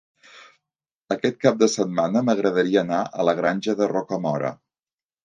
Aquest cap de setmana m'agradaria anar a la Granja de Rocamora.